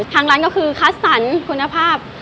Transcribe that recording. ทางร้านก็คือคัดสรรคุณภาพ